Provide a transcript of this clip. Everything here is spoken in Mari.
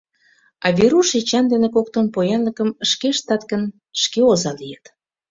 А Веруш Эчан дене коктын поянлыкым шке ыштат гын, шке оза лийыт.